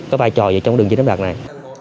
có vai trò gì trong đường chiếm đánh bạc này